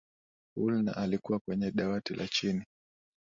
woolner alikuwa kwenye dawati la chini